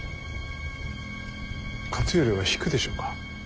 勝頼は引くでしょうか。